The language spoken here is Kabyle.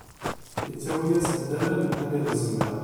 Yettawi-asen-d ala lemḥani d usemmiḍ.